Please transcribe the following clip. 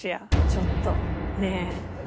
ちょっとねえ。